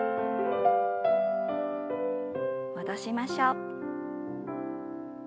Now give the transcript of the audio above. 戻しましょう。